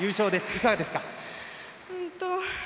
いかがですか？